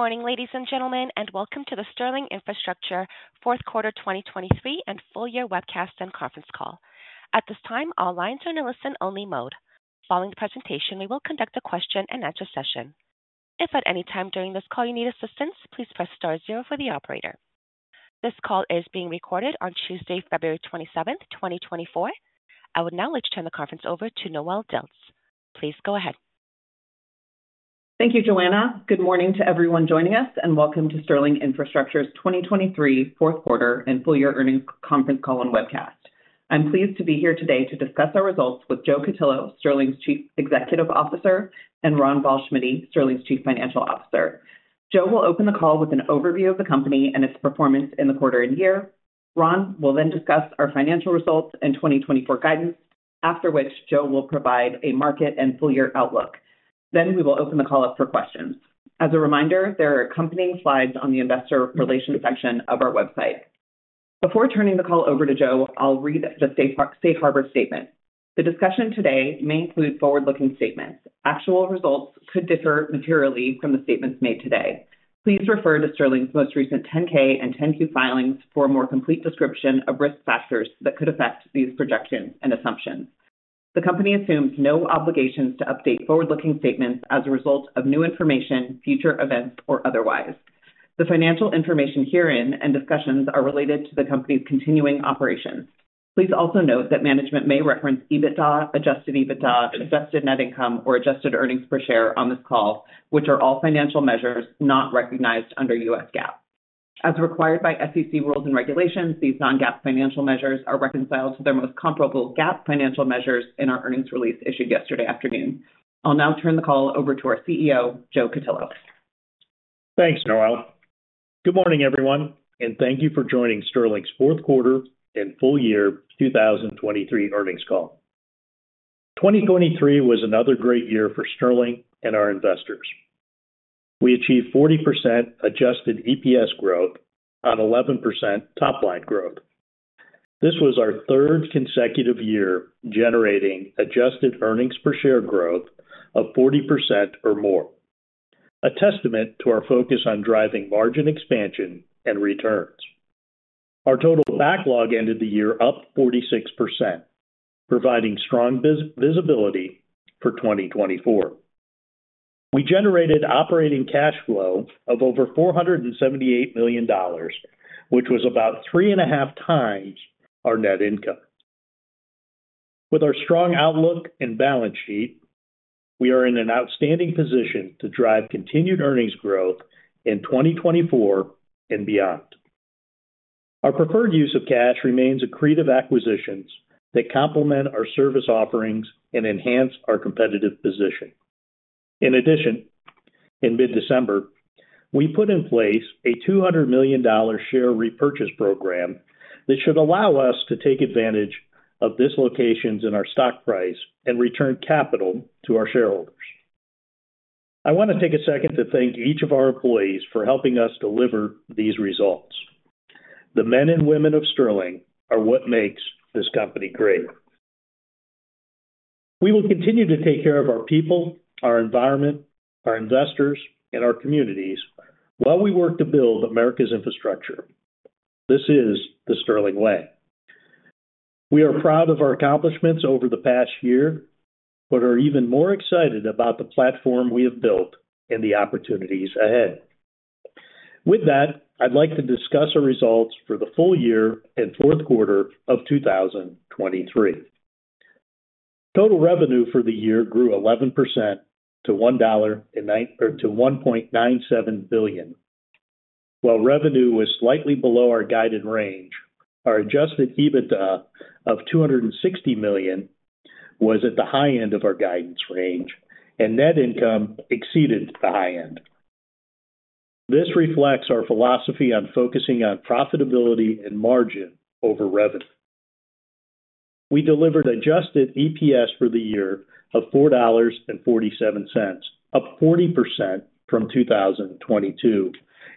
Good morning, ladies and gentlemen, and welcome to the Sterling Infrastructure fourth quarter 2023 and full-year webcast and conference call. At this time, all lines are in a listen-only mode. Following the presentation, we will conduct a question-and-answer session. If at any time during this call you need assistance, please press star zero for the operator. This call is being recorded on Tuesday, February 27th, 2024. I would now like to turn the conference over to Noelle Dilts. Please go ahead. Thank you, Joanna. Good morning to everyone joining us, and welcome to Sterling Infrastructure's 2023 fourth quarter and full-year earnings conference call and webcast. I'm pleased to be here today to discuss our results with Joe Cutillo, Sterling's Chief Executive Officer, and Ron Ballschmiede, Sterling's Chief Financial Officer. Joe will open the call with an overview of the company and its performance in the quarter and year. Ron will then discuss our financial results and 2024 guidance, after which Joe will provide a market and full-year outlook. Then we will open the call up for questions. As a reminder, there are accompanying slides on the investor relations section of our website. Before turning the call over to Joe, I'll read the Safe Harbor statement. The discussion today may include forward-looking statements. Actual results could differ materially from the statements made today. Please refer to Sterling's most recent 10-K and 10-Q filings for a more complete description of risk factors that could affect these projections and assumptions. The company assumes no obligations to update forward-looking statements as a result of new information, future events, or otherwise. The financial information herein and discussions are related to the company's continuing operations. Please also note that management may reference EBITDA, adjusted EBITDA, adjusted net income, or adjusted earnings per share on this call, which are all financial measures not recognized under U.S. GAAP. As required by SEC rules and regulations, these non-GAAP financial measures are reconciled to their most comparable GAAP financial measures in our earnings release issued yesterday afternoon. I'll now turn the call over to our CEO, Joe Cutillo. Thanks, Noelle. Good morning, everyone, and thank you for joining Sterling's fourth quarter and full-year 2023 earnings call. 2023 was another great year for Sterling and our investors. We achieved 40% adjusted EPS growth on 11% top-line growth. This was our third consecutive year generating adjusted earnings per share growth of 40% or more, a testament to our focus on driving margin expansion and returns. Our total backlog ended the year up 46%, providing strong visibility for 2024. We generated operating cash flow of over $478 million, which was about three and a half times our net income. With our strong outlook and balance sheet, we are in an outstanding position to drive continued earnings growth in 2024 and beyond. Our preferred use of cash remains accretive acquisitions that complement our service offerings and enhance our competitive position. In addition, in mid-December, we put in place a $200 million share repurchase program that should allow us to take advantage of dislocations in our stock price and return capital to our shareholders. I want to take a second to thank each of our employees for helping us deliver these results. The men and women of Sterling are what makes this company great. We will continue to take care of our people, our environment, our investors, and our communities while we work to build America's infrastructure. This is the Sterling way. We are proud of our accomplishments over the past year but are even more excited about the platform we have built and the opportunities ahead. With that, I'd like to discuss our results for the full year and fourth quarter of 2023. Total revenue for the year grew 11% to $1.97 billion. While revenue was slightly below our guided range, our Adjusted EBITDA of $260 million was at the high end of our guidance range, and net income exceeded the high end. This reflects our philosophy on focusing on profitability and margin over revenue. We delivered Adjusted EPS for the year of $4.47, up 40% from 2022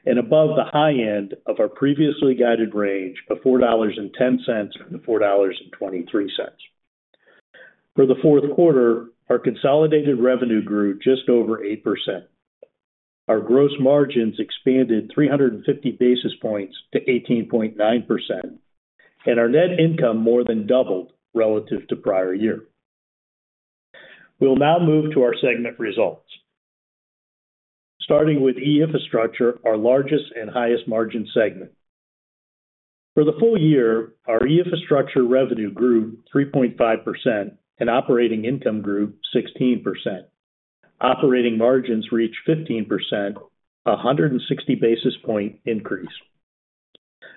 and above the high end of our previously guided range of $4.10-$4.23. For the fourth quarter, our consolidated revenue grew just over 8%. Our gross margins expanded 350 basis points to 18.9%, and our net income more than doubled relative to prior year. We'll now move to our segment results, starting with E-Infrastructure, our largest and highest margin segment. For the full year, our E-Infrastructure revenue grew 3.5% and Operating Income grew 16%. Operating Margins reached 15%, a 160 basis point increase.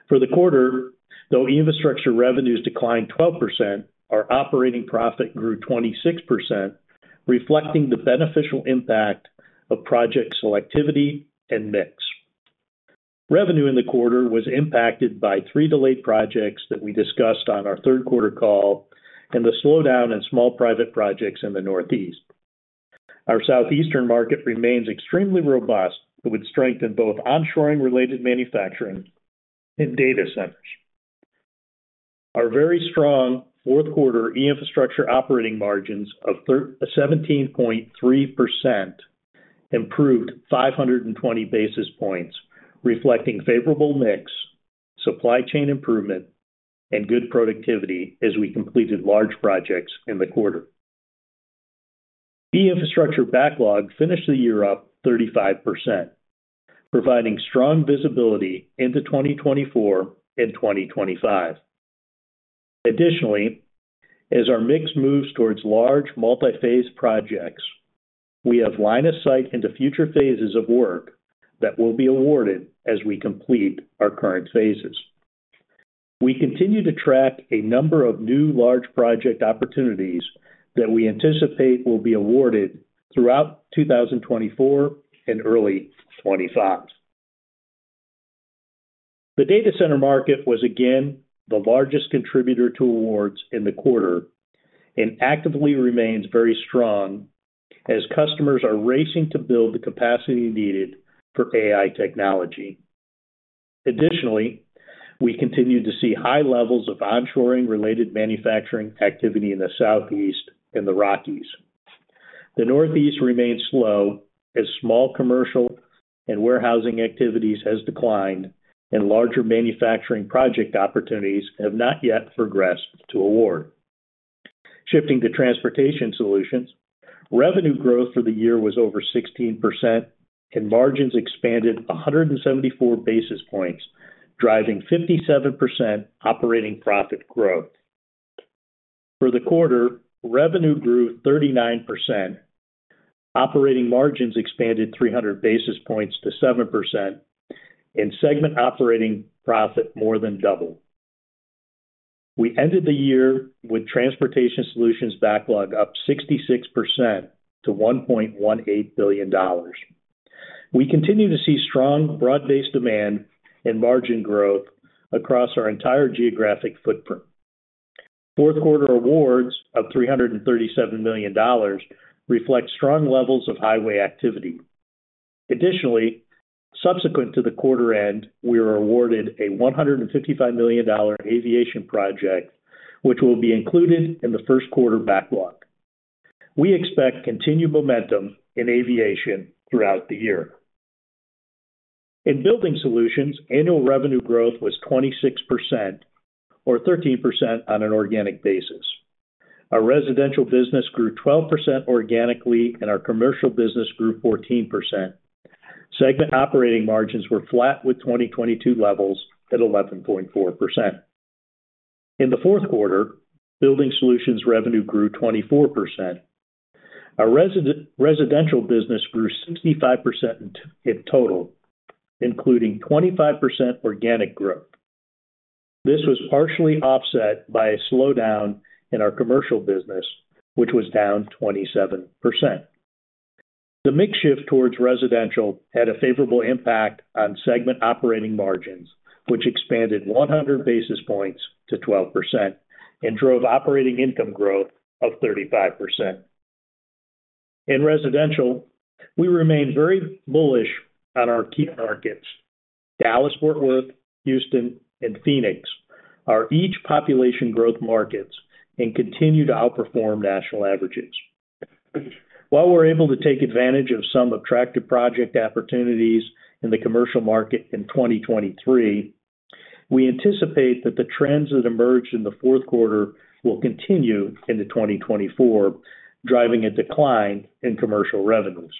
For the quarter, though E-Infrastructure revenues declined 12%, our operating profit grew 26%, reflecting the beneficial impact of project selectivity and mix. Revenue in the quarter was impacted by three delayed projects that we discussed on our third quarter call and the slowdown in small private projects in the Northeast. Our Southeastern market remains extremely robust but would strengthen both onshoring-related manufacturing and data centers. Our very strong fourth quarter E-Infrastructure operating margins of 17.3% improved 520 basis points, reflecting favorable mix, supply chain improvement, and good productivity as we completed large projects in the quarter. E-Infrastructure backlog finished the year up 35%, providing strong visibility into 2024 and 2025. Additionally, as our mix moves towards large multi-phase projects, we have line of sight into future phases of work that will be awarded as we complete our current phases. We continue to track a number of new large project opportunities that we anticipate will be awarded throughout 2024 and early 2025. The data center market was again the largest contributor to awards in the quarter and actively remains very strong as customers are racing to build the capacity needed for AI technology. Additionally, we continue to see high levels of onshoring-related manufacturing activity in the Southeast and the Rockies. The Northeast remains slow as small commercial and warehousing activities have declined and larger manufacturing project opportunities have not yet progressed to award. Shifting to Transportation Solutions, revenue growth for the year was over 16% and margins expanded 174 basis points, driving 57% operating profit growth. For the quarter, revenue grew 39%, operating margins expanded 300 basis points to 7%, and segment operating profit more than doubled. We ended the year with Transportation Solutions backlog up 66% to $1.18 billion. We continue to see strong broad-based demand and margin growth across our entire geographic footprint. Fourth quarter awards of $337 million reflect strong levels of highway activity. Additionally, subsequent to the quarter end, we were awarded a $155 million aviation project, which will be included in the first quarter backlog. We expect continued momentum in aviation throughout the year. In Building Solutions, annual revenue growth was 26% or 13% on an organic basis. Our Residential business grew 12% organically, and our commercial business grew 14%. Segment operating margins were flat with 2022 levels at 11.4%. In the fourth quarter, Building Solutions revenue grew 24%. Our Residential business grew 65% in total, including 25% organic growth. This was partially offset by a slowdown in our commercial business, which was down 27%. The mix shift towards residential had a favorable impact on segment operating margins, which expanded 100 basis points to 12% and drove operating income growth of 35%. In Residential, we remain very bullish on our key markets, Dallas, Fort Worth, Houston, and Phoenix, are each population growth markets and continue to outperform national averages. While we're able to take advantage of some attractive project opportunities in the commercial market in 2023, we anticipate that the trends that emerged in the fourth quarter will continue into 2024, driving a decline in commercial revenues.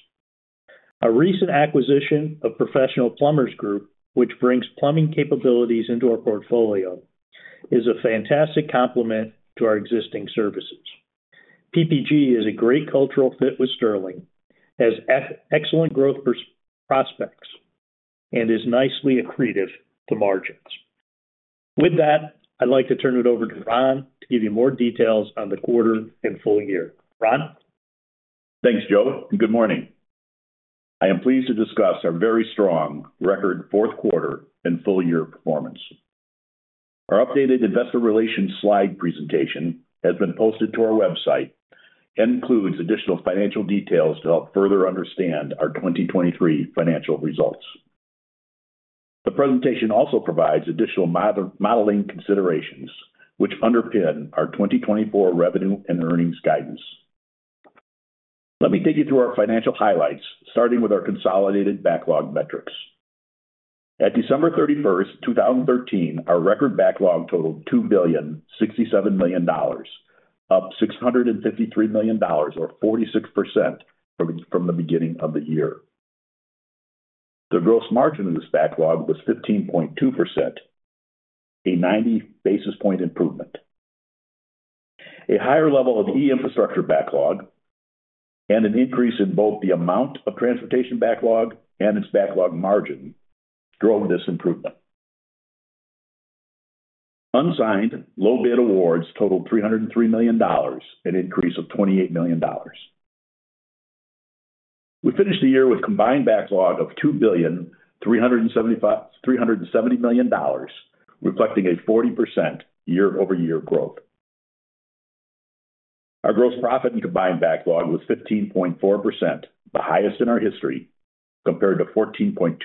Our recent acquisition of Professional Plumbers Group, which brings plumbing capabilities into our portfolio, is a fantastic complement to our existing services. PPG is a great cultural fit with Sterling, has excellent growth prospects, and is nicely accretive to margins. With that, I'd like to turn it over to Ron to give you more details on the quarter and full year. Ron? Thanks, Joe, and good morning. I am pleased to discuss our very strong record fourth quarter and full year performance. Our updated investor relations slide presentation has been posted to our website and includes additional financial details to help further understand our 2023 financial results. The presentation also provides additional modeling considerations, which underpin our 2024 revenue and earnings guidance. Let me take you through our financial highlights, starting with our consolidated backlog metrics. At December 31st, 2023, our record backlog totaled $2.067 billion, up $653 million or 46% from the beginning of the year. The gross margin of this backlog was 15.2%, a 90 basis point improvement. A higher level of E-Infrastructure backlog and an increase in both the amount of transportation backlog and its backlog margin drove this improvement. Unsigned low bid awards totaled $303 million, an increase of $28 million. We finished the year with combined backlog of $2.37 billion, reflecting a 40% year-over-year growth. Our gross profit in combined backlog was 15.4%, the highest in our history compared to 14.2%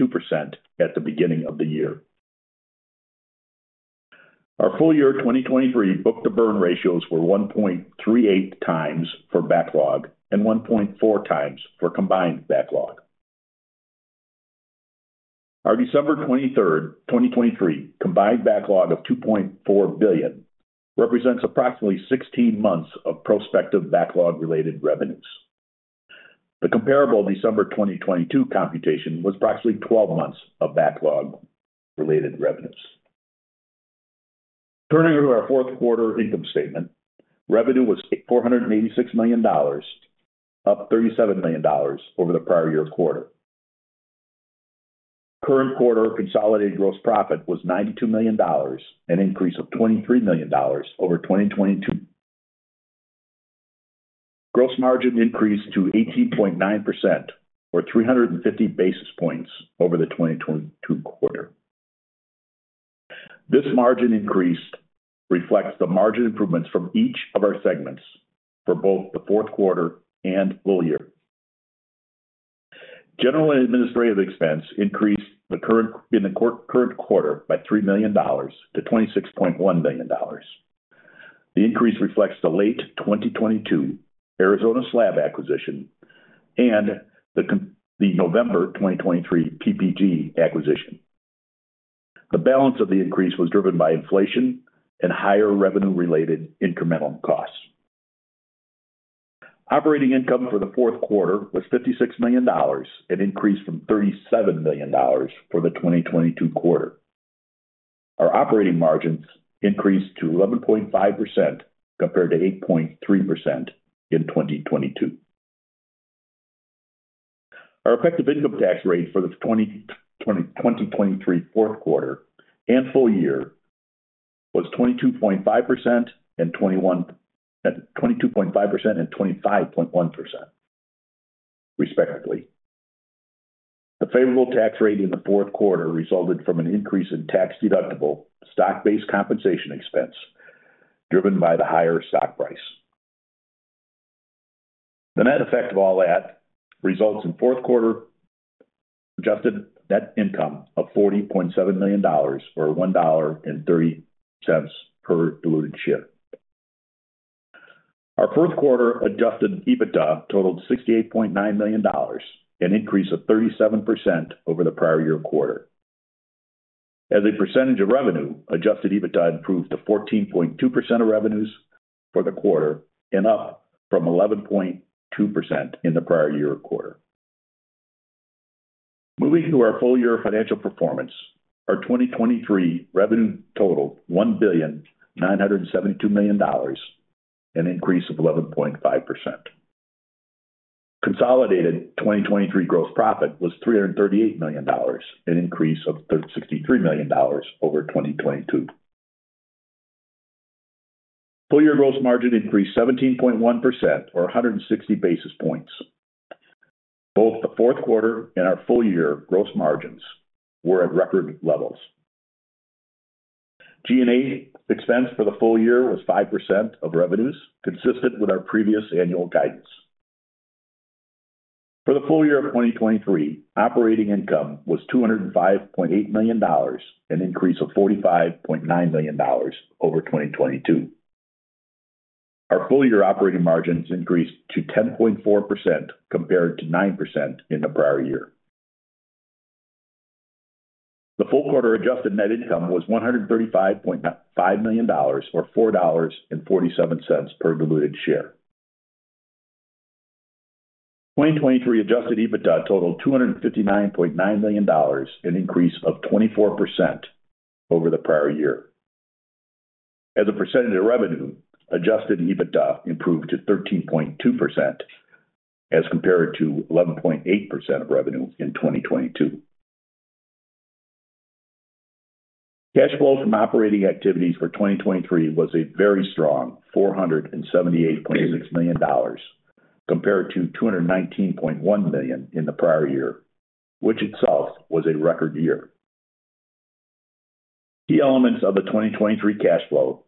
at the beginning of the year. Our full year 2023 book-to-burn ratios were 1.38x for backlog and 1.4x for combined backlog. Our December 23rd, 2023, combined backlog of $2.4 billion represents approximately 16 months of prospective backlog-related revenues. The comparable December 2022 computation was approximately 12 months of backlog-related revenues. Turning to our fourth quarter income statement, revenue was $486 million, up $37 million over the prior year quarter. Current quarter consolidated gross profit was $92 million, an increase of $23 million over 2022. Gross margin increased to 18.9% or 350 basis points over the 2022 quarter. This margin increase reflects the margin improvements from each of our segments for both the fourth quarter and full year. General administrative expense increased in the current quarter by $3 million to $26.1 million. The increase reflects the late 2022 Arizona Slab acquisition and the November 2023 PPG acquisition. The balance of the increase was driven by inflation and higher revenue-related incremental costs. Operating income for the fourth quarter was $56 million, an increase from $37 million for the 2022 quarter. Our operating margins increased to 11.5% compared to 8.3% in 2022. Our effective income tax rate for the 2023 fourth quarter and full year was 22.5% and, 22.5% and 25.1%, respectively. The favorable tax rate in the fourth quarter resulted from an increase in tax deductible stock-based compensation expense driven by the higher stock price. The net effect of all that results in fourth quarter adjusted net income of $40.7 million or $1.30 per diluted share. Our fourth quarter adjusted EBITDA totaled $68.9 million, an increase of 37% over the prior year quarter. As a percentage of revenue, adjusted EBITDA improved to 14.2% of revenues for the quarter and up from 11.2% in the prior year quarter. Moving to our full year financial performance, our 2023 revenue totaled $1.972 billion, an increase of 11.5%. Consolidated 2023 gross profit was $338 million, an increase of $63 million over 2022. Full year gross margin increased 17.1% or 160 basis points. Both the fourth quarter and our full year gross margins were at record levels. G&A expense for the full year was 5% of revenues, consistent with our previous annual guidance. For the full year of 2023, operating income was $205.8 million, an increase of $45.9 million over 2022. Our full year operating margins increased to 10.4% compared to 9% in the prior year. The full quarter adjusted net income was $135.5 million or $4.47 per diluted share. 2023 Adjusted EBITDA totaled $259.9 million, an increase of 24% over the prior year. As a percentage of revenue, Adjusted EBITDA improved to 13.2% as compared to 11.8% of revenue in 2022. Cash flow from operating activities for 2023 was a very strong $478.6 million compared to $219.1 million in the prior year, which itself was a record year. Key elements of the 2023 cash flow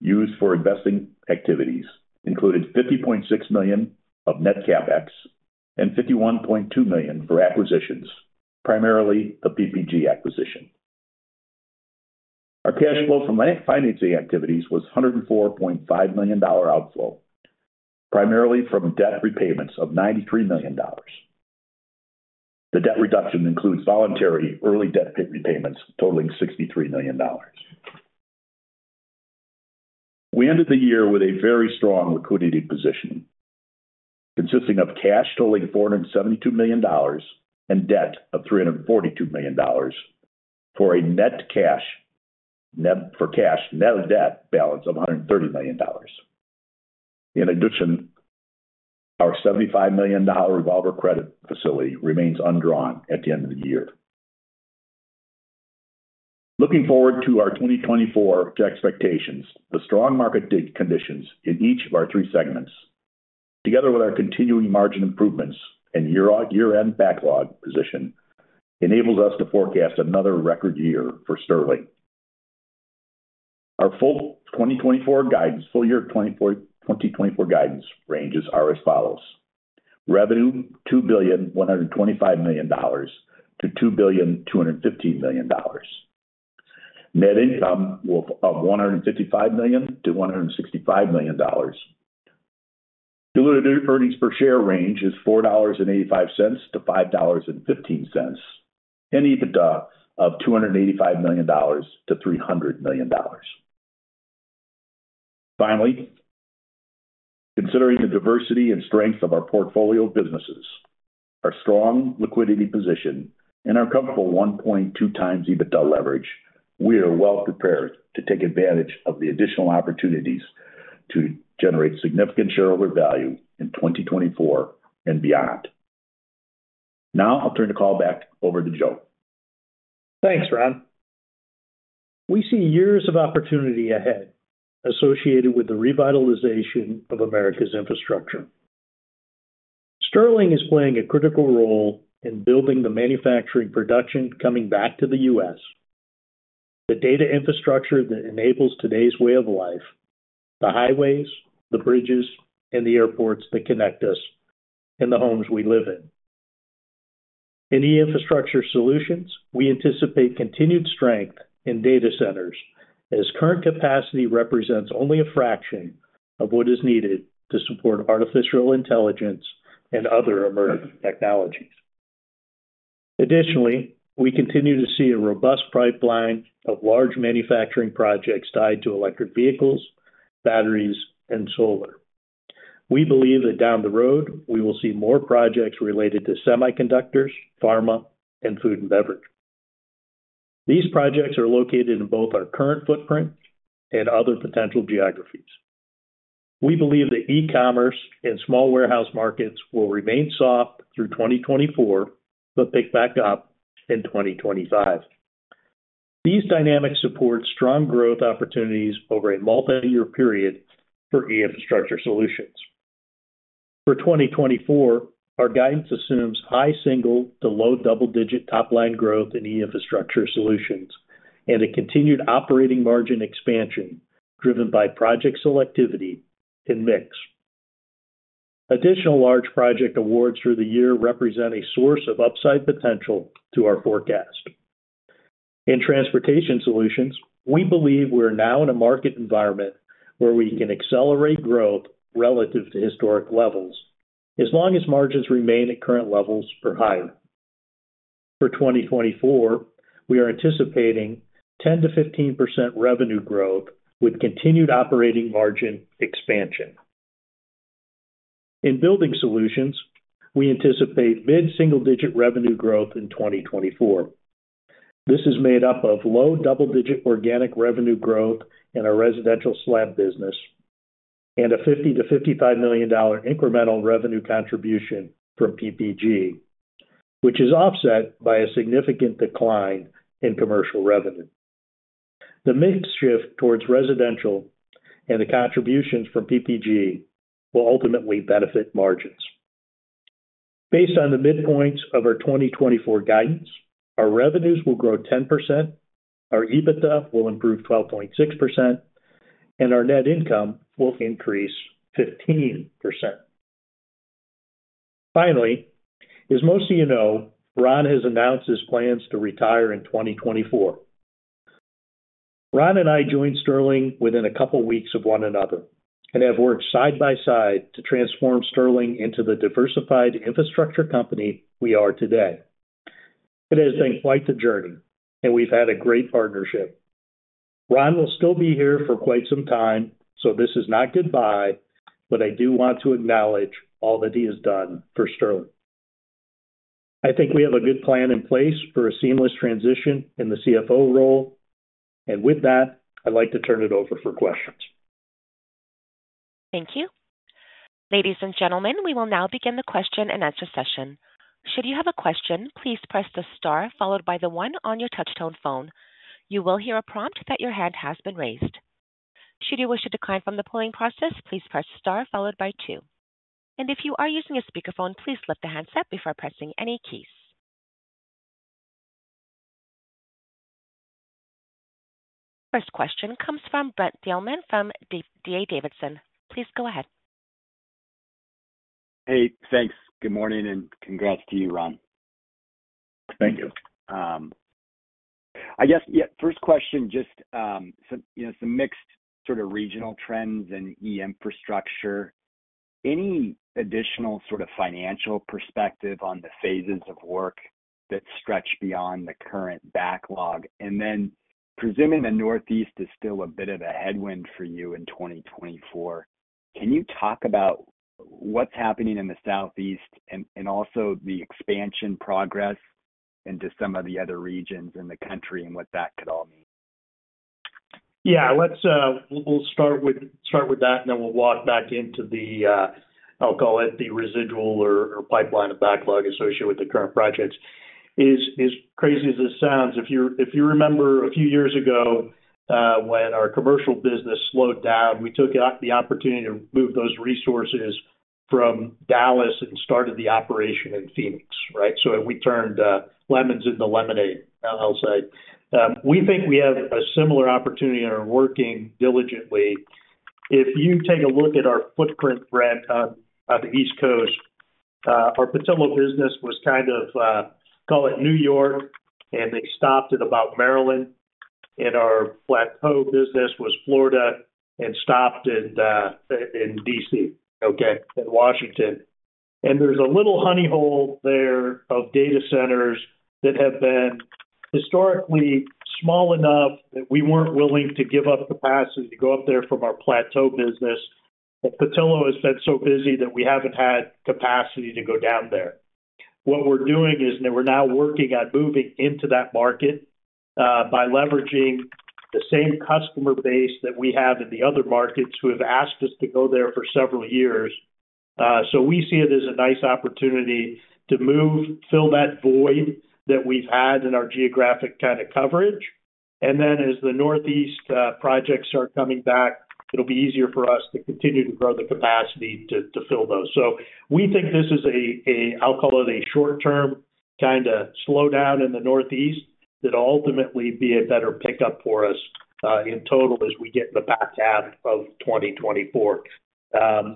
used for investing activities included $50.6 million of net CapEx and $51.2 million for acquisitions, primarily the PPG acquisition. Our cash flow from financing activities was $104.5 million outflow, primarily from debt repayments of $93 million. The debt reduction includes voluntary early debt repayments totaling $63 million. We ended the year with a very strong liquidity position, consisting of cash totaling $472 million and debt of $342 million for a net cash net debt balance of $130 million. In addition, our $75 million revolver credit facility remains undrawn at the end of the year. Looking forward to our 2024 expectations, the strong market conditions in each of our three segments, together with our continuing margin improvements and year-end backlog position, enables us to forecast another record year for Sterling. Our full 2024 guidance full year 2024 guidance ranges are as follows: revenue $2.125 billion-$2.215 billion. Net income of $155 million-$165 million. Diluted earnings per share range is $4.85-$5.15 and EBITDA of $285 million-$300 million. Finally, considering the diversity and strength of our portfolio businesses, our strong liquidity position, and our comfortable 1.2x EBITDA leverage, we are well prepared to take advantage of the additional opportunities to generate significant shareholder value in 2024 and beyond. Now I'll turn the call back over to Joe. Thanks, Ron. We see years of opportunity ahead associated with the revitalization of America's infrastructure. Sterling is playing a critical role in building the manufacturing production coming back to the U.S., the data infrastructure that enables today's way of life, the highways, the bridges, and the airports that connect us and the homes we live in. In E-Infrastructure Solutions, we anticipate continued strength in data centers as current capacity represents only a fraction of what is needed to support artificial intelligence and other emerging technologies. Additionally, we continue to see a robust pipeline of large manufacturing projects tied to electric vehicles, batteries, and solar. We believe that down the road, we will see more projects related to semiconductors, pharma, and food and beverage. These projects are located in both our current footprint and other potential geographies. We believe that e-commerce and small warehouse markets will remain soft through 2024 but pick back up in 2025. These dynamics support strong growth opportunities over a multi-year period for E-Infrastructure Solutions. For 2024, our guidance assumes high single- to low double-digit top-line growth in E-Infrastructure Solutions and a continued operating margin expansion driven by project selectivity and mix. Additional large project awards through the year represent a source of upside potential to our forecast. In Transportation Solutions, we believe we're now in a market environment where we can accelerate growth relative to historic levels as long as margins remain at current levels or higher. For 2024, we are anticipating 10%-15% revenue growth with continued operating margin expansion. In Building Solutions, we anticipate mid-single-digit revenue growth in 2024. This is made up of low double-digit organic revenue growth in our Residential Slab business and a $50-$55 million incremental revenue contribution from PPG, which is offset by a significant decline in commercial revenue. The mix shift towards residential and the contributions from PPG will ultimately benefit margins. Based on the midpoints of our 2024 guidance, our revenues will grow 10%, our EBITDA will improve 12.6%, and our net income will increase 15%. Finally, as most of you know, Ron has announced his plans to retire in 2024. Ron and I joined Sterling within a couple of weeks of one another and have worked side by side to transform Sterling into the diversified infrastructure company we are today. It has been quite the journey, and we've had a great partnership. Ron will still be here for quite some time, so this is not goodbye, but I do want to acknowledge all that he has done for Sterling. I think we have a good plan in place for a seamless transition in the CFO role, and with that, I'd like to turn it over for questions. Thank you. Ladies and gentlemen, we will now begin the question and answer session. Should you have a question, please press the star followed by the one on your touch-tone phone. You will hear a prompt that your hand has been raised. Should you wish to decline from the polling process, please press star followed by two. And if you are using a speakerphone, please lift the handset before pressing any keys. First question comes from Brent Thielman from D.A. Davidson. Please go ahead. Hey, thanks. Good morning and congrats to you, Ron. Thank you. I guess, yeah, first question, just some mixed sort of regional trends in E-Infrastructure. Any additional sort of financial perspective on the phases of work that stretch beyond the current backlog? And then presuming the Northeast is still a bit of a headwind for you in 2024, can you talk about what's happening in the Southeast and also the expansion progress into some of the other regions in the country and what that could all mean? Yeah, we'll start with that, and then we'll walk back into the, I'll call it, the residual or pipeline of backlog associated with the current projects. As crazy as this sounds, if you remember a few years ago when our commercial business slowed down, we took the opportunity to move those resources from Dallas and started the operation in Phoenix, right? So we turned lemons into lemonade, I'll say. We think we have a similar opportunity and are working diligently. If you take a look at our footprint, Brent, on the East Coast, our Petillo business was kind of, call it New York, and they stopped at about Maryland. And our Plateau business was Florida and stopped in D.C., okay, in Washington. There's a little honeyhole there of data centers that have been historically small enough that we weren't willing to give up capacity to go up there from our Plateau business. The Petillo has been so busy that we haven't had capacity to go down there. What we're doing is that we're now working on moving into that market by leveraging the same customer base that we have in the other markets who have asked us to go there for several years. So we see it as a nice opportunity to fill that void that we've had in our geographic kind of coverage. And then as the Northeast projects start coming back, it'll be easier for us to continue to grow the capacity to fill those. So we think this is a, I'll call it, a short-term kind of slowdown in the Northeast that'll ultimately be a better pickup for us in total as we get in the back half of 2024.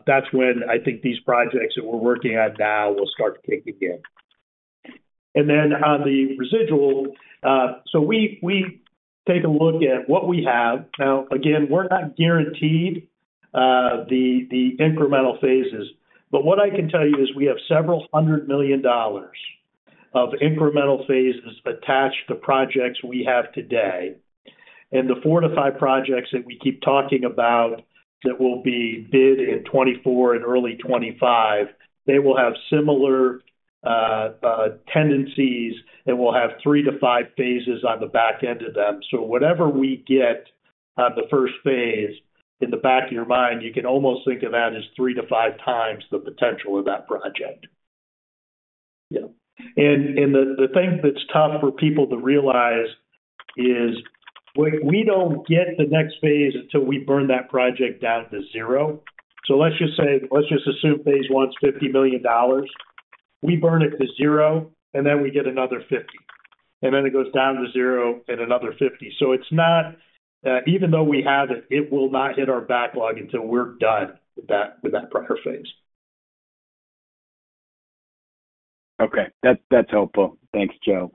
That's when I think these projects that we're working on now will start kicking in. And then on the residual, so we take a look at what we have. Now, again, we're not guaranteed the incremental phases. But what I can tell you is we have several hundred million dollars of incremental phases attached to projects we have today. And the four to five projects that we keep talking about that will be bid in 2024 and early 2025, they will have similar tendencies and will have three to five phases on the back end of them. So whatever we get on the first phase, in the back of your mind, you can almost think of that as 3x-5x the potential of that project. Yeah. And the thing that's tough for people to realize is we don't get the next phase until we burn that project down to zero. So let's just say, let's just assume phase one's $50 million. We burn it to zero, and then we get another $50 million. And then it goes down to zero and another $50 million. So it's not even though we have it, it will not hit our backlog until we're done with that prior phase. Okay. That's helpful. Thanks, Joe.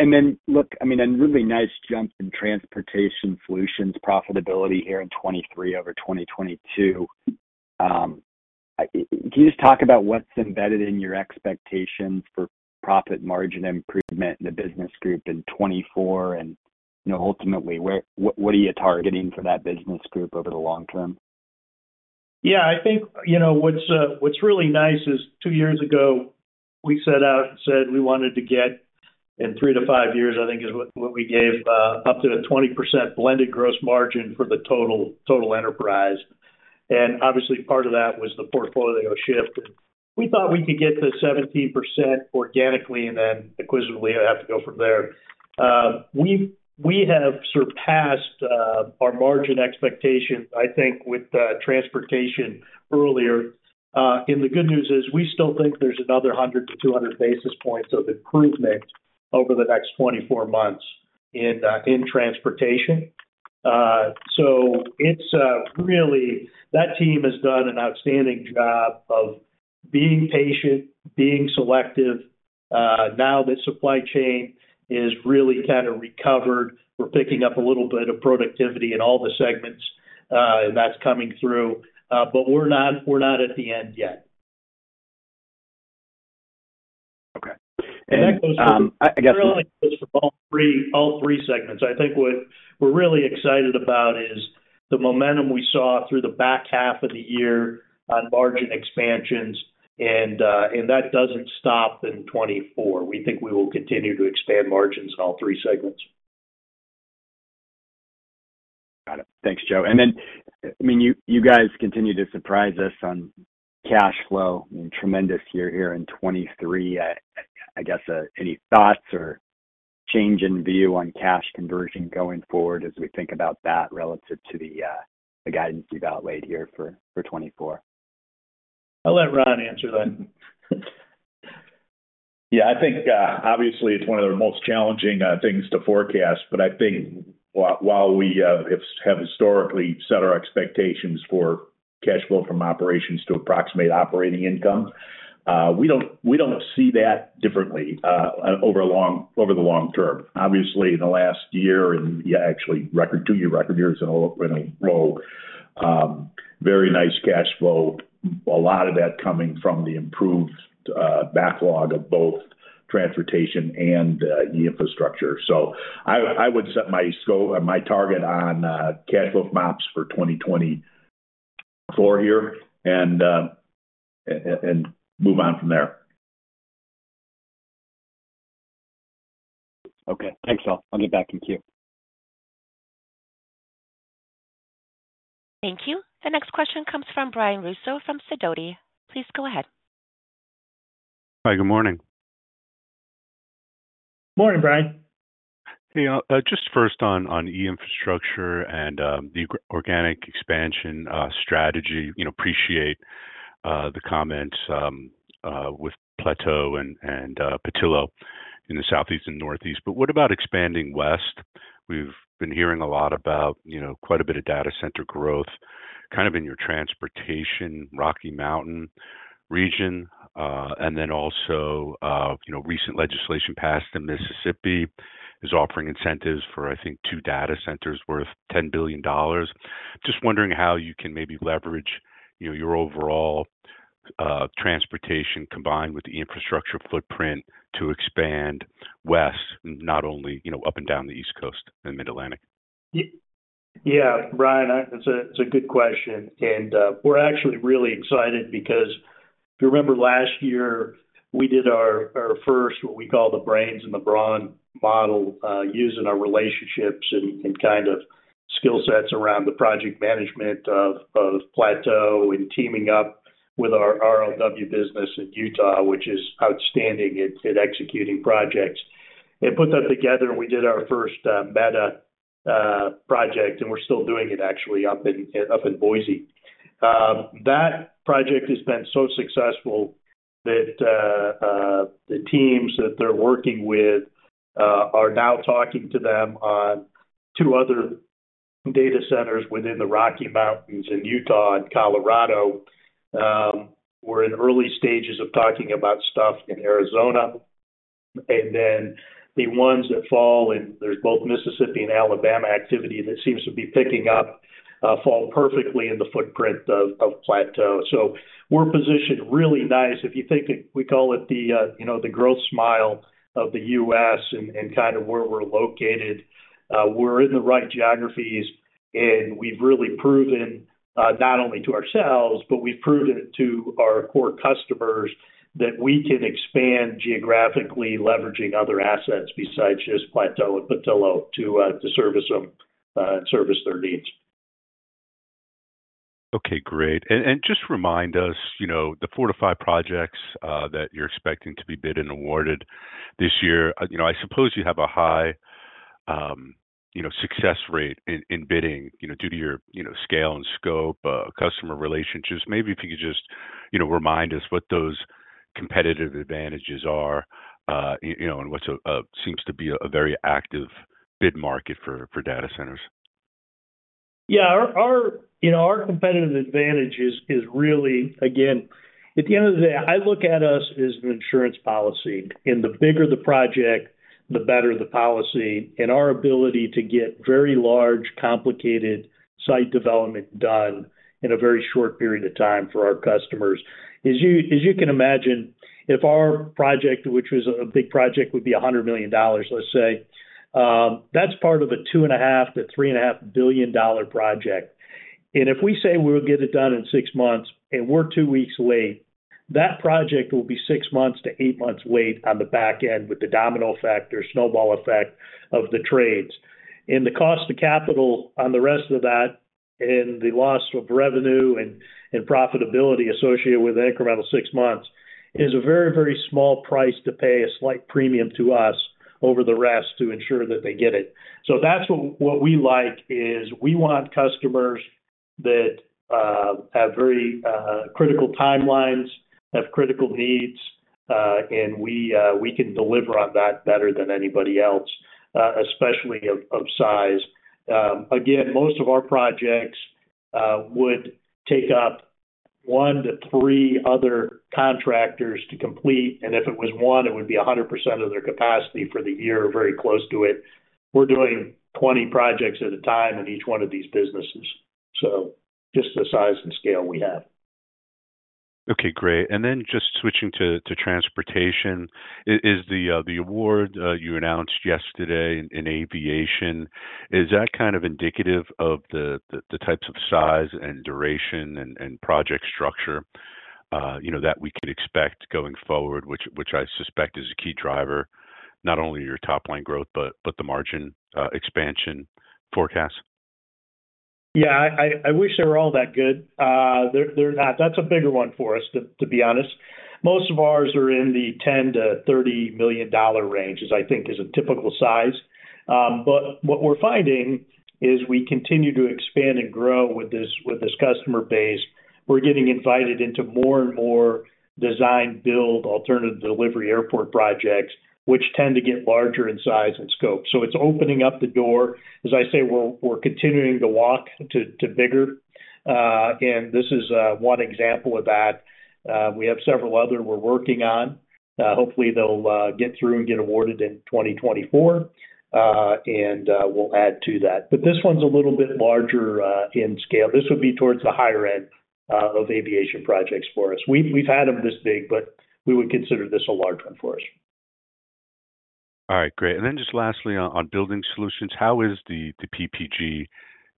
And then, look, I mean, a really nice jump in Transportation Solutions profitability here in 2023 over 2022. Can you just talk about what's embedded in your expectations for profit margin improvement in the business group in 2024 and ultimately, what are you targeting for that business group over the long term? Yeah, I think what's really nice is two years ago, we set out and said we wanted to get, in three to five years, I think is what we gave, up to a 20% blended gross margin for the total enterprise. And obviously, part of that was the portfolio shift. And we thought we could get to 17% organically and then acquisitively have to go from there. We have surpassed our margin expectations, I think, with transportation earlier. And the good news is we still think there's another 100-200 basis points of improvement over the next 24 months in transportation. So that team has done an outstanding job of being patient, being selective. Now that supply chain is really kind of recovered, we're picking up a little bit of productivity in all the segments, and that's coming through. But we're not at the end yet. That goes for all three segments. I think what we're really excited about is the momentum we saw through the back half of the year on margin expansions. That doesn't stop in 2024. We think we will continue to expand margins in all three segments. Got it. Thanks, Joe. And then, I mean, you guys continue to surprise us on cash flow. I mean, tremendous year here in 2023. I guess, any thoughts or change in view on cash conversion going forward as we think about that relative to the guidance you've outlaid here for 2024? I'll let Ron answer that. Yeah, I think, obviously, it's one of the most challenging things to forecast. But I think while we have historically set our expectations for cash flow from operations to approximate operating income, we don't see that differently over the long term. Obviously, in the last year and actually two-year record years in a row, very nice cash flow, a lot of that coming from the improved backlog of both transportation and E-Infrastructure. So I would set my target on cash flow from ops for 2024 here and move on from there. Okay. Thanks, all. I'll get back in queue. Thank you. The next question comes from Brian Russo from Sidoti. Please go ahead. Hi. Good morning. Morning, Brian. Hey. Just first on E-Infrastructure and the organic expansion strategy, appreciate the comments with Plateau and Petillo in the Southeast and Northeast. But what about expanding west? We've been hearing a lot about quite a bit of data center growth kind of in your Transportation Rocky Mountain region. And then also, recent legislation passed in Mississippi is offering incentives for, I think, two data centers worth $10 billion. Just wondering how you can maybe leverage your overall transportation combined with the infrastructure footprint to expand west, not only up and down the East Coast and Mid-Atlantic. Yeah, Brian, it's a good question. And we're actually really excited because if you remember last year, we did our first, what we call the brains and the brawn model, using our relationships and kind of skill sets around the project management of Plateau and teaming up with our RLW business in Utah, which is outstanding at executing projects. And put that together, and we did our first Meta project, and we're still doing it actually up in Boise. That project has been so successful that the teams that they're working with are now talking to them on two other data centers within the Rocky Mountains in Utah and Colorado. We're in early stages of talking about stuff in Arizona. And then the ones that fall in there, there's both Mississippi and Alabama activity that seems to be picking up fall perfectly in the footprint of Plateau. So we're positioned really nice. If you think of what we call it the growth smile of the U.S. and kind of where we're located. We're in the right geographies, and we've really proven not only to ourselves, but we've proven it to our core customers that we can expand geographically leveraging other assets besides just Plateau and Petillo to service them and service their needs. Okay. Great. Just remind us, the four to five projects that you're expecting to be bid and awarded this year. I suppose you have a high success rate in bidding due to your scale and scope, customer relationships. Maybe if you could just remind us what those competitive advantages are and what seems to be a very active bid market for data centers. Yeah. Our competitive advantage is really, again, at the end of the day, I look at us as an insurance policy. The bigger the project, the better the policy. Our ability to get very large, complicated site development done in a very short period of time for our customers. As you can imagine, if our project, which was a big project, would be $100 million, let's say, that's part of a $2.5 billion-$3.5 billion project. If we say we'll get it done in six months and we're two weeks late, that project will be six months to eight months late on the back end with the domino factor, snowball effect of the trades. The cost of capital on the rest of that and the loss of revenue and profitability associated with incremental 6 months is a very, very small price to pay, a slight premium to us over the rest to ensure that they get it. So that's what we like is we want customers that have very critical timelines, have critical needs, and we can deliver on that better than anybody else, especially of size. Again, most of our projects would take up one to three other contractors to complete. And if it was one, it would be 100% of their capacity for the year, very close to it. We're doing 20 projects at a time in each one of these businesses, so just the size and scale we have. Okay. Great. And then just switching to transportation, is the award you announced yesterday in aviation, is that kind of indicative of the types of size and duration and project structure that we can expect going forward, which I suspect is a key driver, not only your top-line growth, but the margin expansion forecast? Yeah. I wish they were all that good. They're not. That's a bigger one for us, to be honest. Most of ours are in the $10 million-$30 million range, as I think is a typical size. But what we're finding is we continue to expand and grow with this customer base. We're getting invited into more and more design-build alternative delivery airport projects, which tend to get larger in size and scope. So it's opening up the door. As I say, we're continuing to walk to bigger. And this is one example of that. We have several other we're working on. Hopefully, they'll get through and get awarded in 2024. And we'll add to that. But this one's a little bit larger in scale. This would be towards the higher end of aviation projects for us. We've had them this big, but we would consider this a large one for us. All right. Great. And then just lastly, on Building Solutions, how is the PPG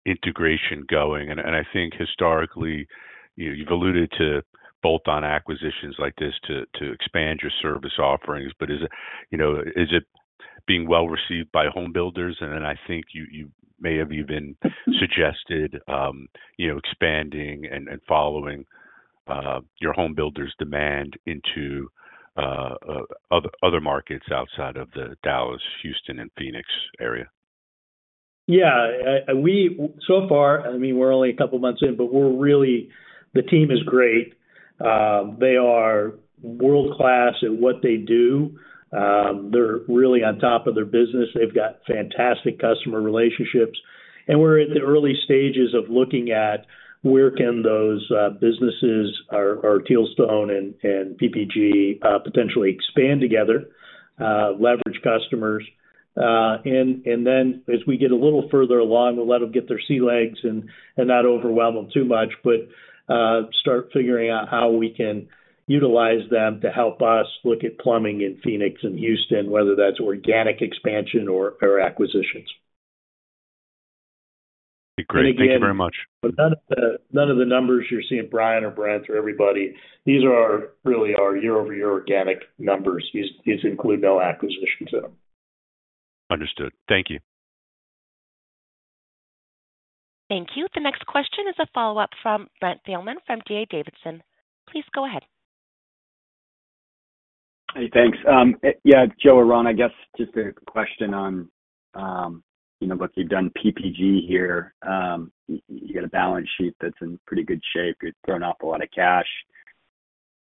integration going? And I think historically, you've alluded to bolt-on acquisitions like this to expand your service offerings. But is it being well received by homebuilders? And then I think you may have even suggested expanding and following your homebuilders' demand into other markets outside of the Dallas, Houston, and Phoenix area. Yeah. So far, I mean, we're only a couple of months in, but the team is great. They are world-class at what they do. They're really on top of their business. They've got fantastic customer relationships. And we're at the early stages of looking at where can those businesses, our Tealstone and PPG, potentially expand together, leverage customers. And then as we get a little further along, we'll let them get their sea legs and not overwhelm them too much, but start figuring out how we can utilize them to help us look at plumbing in Phoenix and Houston, whether that's organic expansion or acquisitions. Great. Thank you very much. But none of the numbers you're seeing, Brian or Brent or everybody, these are really our year-over-year organic numbers. These include no acquisitions in them. Understood. Thank you. Thank you. The next question is a follow-up from Brent Thielman from D.A. Davidson. Please go ahead. Hey, thanks. Yeah, Joe or Ron, I guess just a question on, look, you've done PPG here. You got a balance sheet that's in pretty good shape. You've thrown off a lot of cash.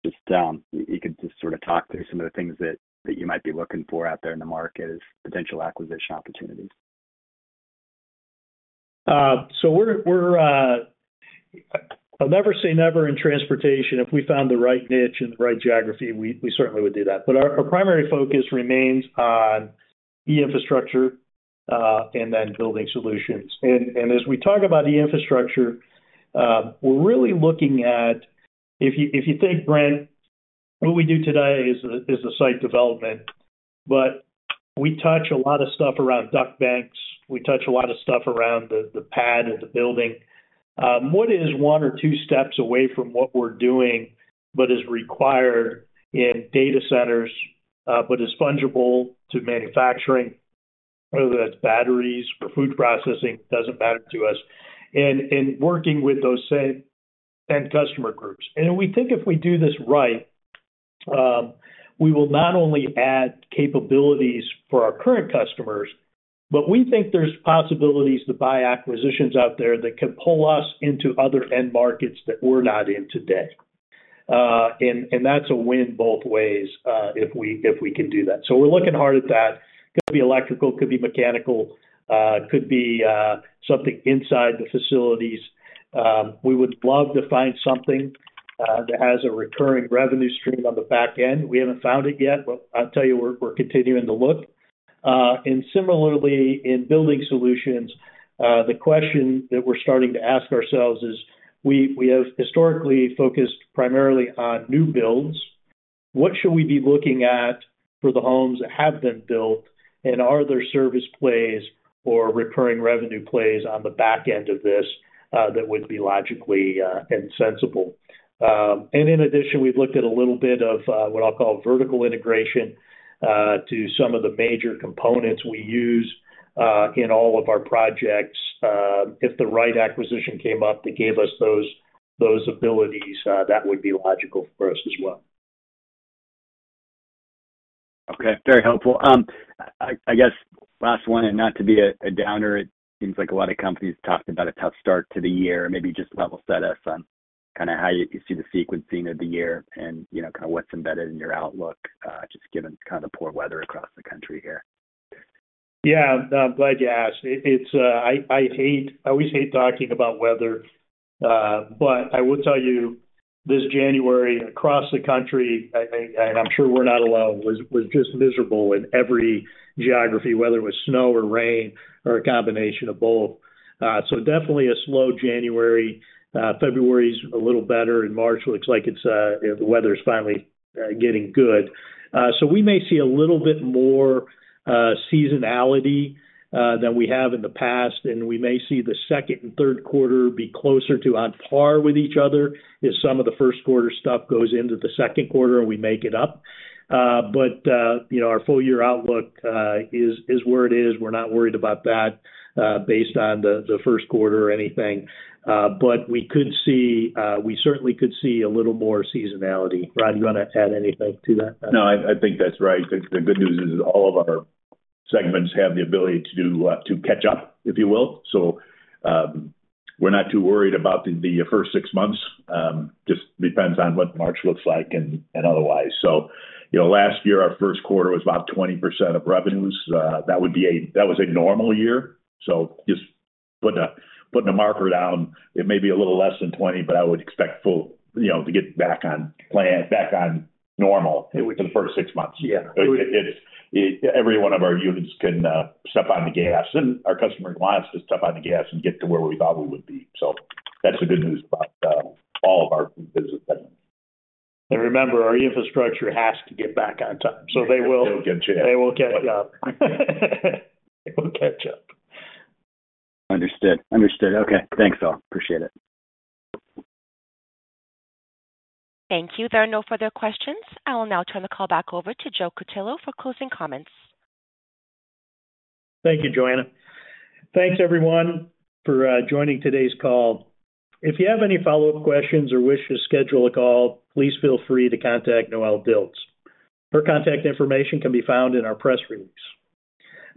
You could just sort of talk through some of the things that you might be looking for out there in the market as potential acquisition opportunities. So I'll never say never in transportation. If we found the right niche and the right geography, we certainly would do that. But our primary focus remains on E-Infrastructure and then Building Solutions. And as we talk about E-Infrastructure, we're really looking at if you think, Brent, what we do today is the site development. But we touch a lot of stuff around duct banks. We touch a lot of stuff around the pad of the building. What is one or two steps away from what we're doing but is required in data centers but is fungible to manufacturing, whether that's batteries or food processing, doesn't matter to us, and working with those same end customer groups? We think if we do this right, we will not only add capabilities for our current customers, but we think there's possibilities to buy acquisitions out there that could pull us into other end markets that we're not in today. And that's a win both ways if we can do that. So we're looking hard at that. Could be electrical, could be mechanical, could be something inside the facilities. We would love to find something that has a recurring revenue stream on the back end. We haven't found it yet, but I'll tell you, we're continuing to look. And similarly, in Building Solutions, the question that we're starting to ask ourselves is we have historically focused primarily on new builds. What should we be looking at for the homes that have been built? Are there service plays or recurring revenue plays on the back end of this that would be logically and sensible? In addition, we've looked at a little bit of what I'll call vertical integration to some of the major components we use in all of our projects. If the right acquisition came up that gave us those abilities, that would be logical for us as well. Okay. Very helpful. I guess last one, and not to be a downer, it seems like a lot of companies talked about a tough start to the year, maybe just level set us on kind of how you see the sequencing of the year and kind of what's embedded in your outlook, just given kind of the poor weather across the country here. Yeah. I'm glad you asked. I always hate talking about weather. But I will tell you, this January across the country, and I'm sure we're not alone, was just miserable in every geography, whether it was snow or rain or a combination of both. So definitely a slow January. February's a little better. In March, looks like the weather's finally getting good. So we may see a little bit more seasonality than we have in the past. And we may see the second and third quarter be closer to on par with each other as some of the first quarter stuff goes into the second quarter and we make it up. But our full-year outlook is where it is. We're not worried about that based on the first quarter or anything. But we certainly could see a little more seasonality. Ron, you want to add anything to that? No, I think that's right. The good news is all of our segments have the ability to catch up, if you will. So we're not too worried about the first six months. Just depends on what March looks like and otherwise. So last year, our first quarter was about 20% of revenues. That was a normal year. So just putting a marker down, it may be a little less than 20, but I would expect full to get back on normal for the first six months. Every one of our units can step on the gas. And our customer wants to step on the gas and get to where we thought we would be. So that's the good news about all of our business segments. Remember, our infrastructure has to get back on time. They will. They'll get a chance. They will catch up. They will catch up. Understood. Understood. Okay. Thanks, all. Appreciate it. Thank you. There are no further questions. I will now turn the call back over to Joe Cutillo for closing comments. Thank you, Joanna. Thanks, everyone, for joining today's call. If you have any follow-up questions or wish to schedule a call, please feel free to contact Noelle Dilts. Her contact information can be found in our press release.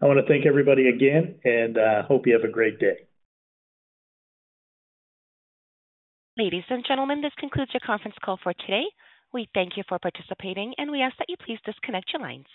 I want to thank everybody again and hope you have a great day. Ladies and gentlemen, this concludes your conference call for today. We thank you for participating, and we ask that you please disconnect your lines.